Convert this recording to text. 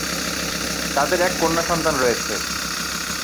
তাদের এক কন্যা সন্তান রয়েছে।